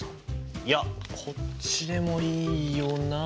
いやこっちでもいいよな。